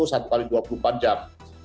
satu x dua puluh empat jam